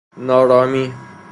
نارامی